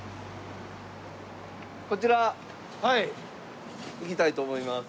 こちら行きたいと思います。